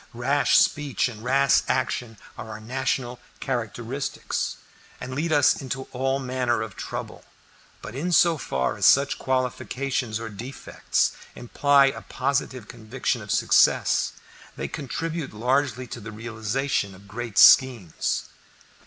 Rash speech and rash action are our national characteristics, and lead us into all manner of trouble, but in so far as such qualifications or defects imply a positive conviction of success, they contribute largely to the realization of great schemes.